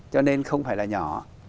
cho nên không phải là nhỏ